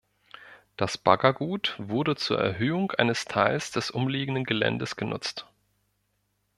Das Baggergut wurde zur Erhöhung eines Teils des umliegenden Geländes genutzt.